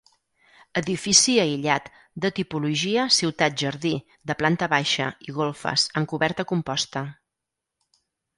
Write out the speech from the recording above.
Edifici aïllat de tipologia ciutat-jardí de planta baixa i golfes amb coberta composta.